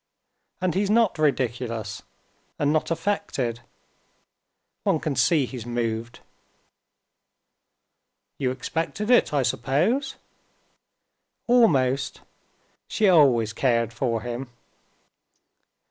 And he's not ridiculous, and not affected; one can see he's moved." "You expected it, I suppose?" "Almost. She always cared for him."